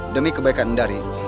demi kebaikan dari